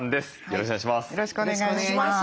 よろしくお願いします。